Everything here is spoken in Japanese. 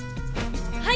はい！